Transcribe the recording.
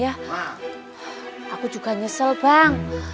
aku juga nyesel bang